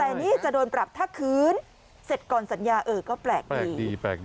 แต่นี่จะโดนปรับถ้าคืนเสร็จก่อนสัญญาเออก็แปลกดี